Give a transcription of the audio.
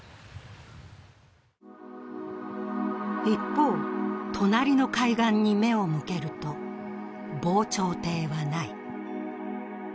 一方、隣の海岸に目を向けると防潮堤はない。